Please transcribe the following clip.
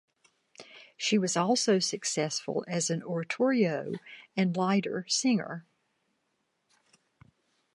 She was also successful as an oratorio and lieder singer.